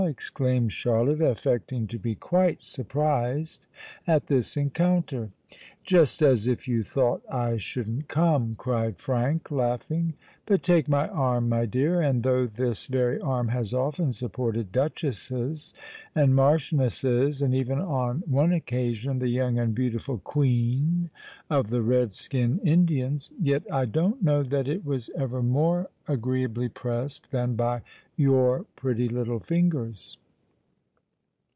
exclaimed Charlotte, affecting to be quite surprised at this encounter. "Just as if you thought I shouldn't come!" cried Frank, laughing. "But take my arm, my dear; and though this very arm has often supported duchesses—and marchionesses—and even on one occasion the young and beautiful queen of the Red Skin Indians,—yet I don't know that it was ever more agreeably pressed than by your pretty little fingers."